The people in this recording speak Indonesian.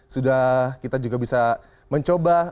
sudah kita juga bisa mencoba